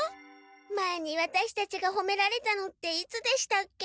前にワタシたちがほめられたのっていつでしたっけ？